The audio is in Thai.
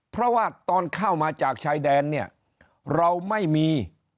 เพราะว่าตอนเข้ามาจากชายแดนเนี่ยเราไม่มี